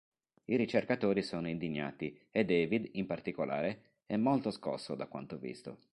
I ricercatori sono indignati e David, in particolare, è molto scosso da quanto visto.